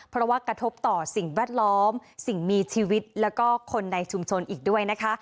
เพราะว่ากระทบต่อสิ่งแวดล้อมสิ่งมีชีวิตแล้วก็คนในชุมชนอีกด้วยนะคะ